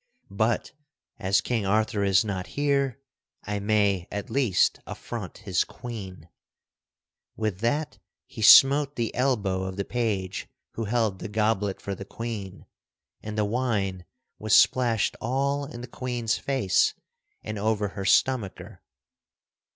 But, as King Arthur is not here, I may, at least, affront his Queen." [Sidenote: Sir Boindegardus affronts the Queen] With that he smote the elbow of the page who held the goblet for the Queen, and the wine was splashed all in the Queen's face and over her stomacher.